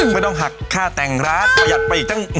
ไม่ต้องหักค่าแตงร้าน